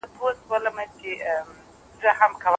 شخصي روغتونونه څه ډول خدمات لري؟